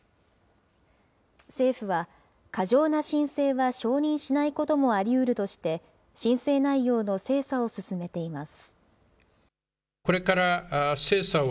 政府は、過剰な申請は承認しないこともありうるとして、申請内容の精査を進めています。